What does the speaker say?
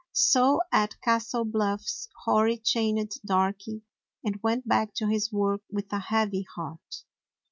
So at Castle Bluffs Hori chained Darky, and went back to his work with a heavy heart.